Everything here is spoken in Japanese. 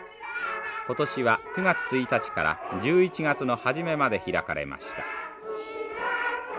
今年は９月１日から１１月の初めまで開かれました。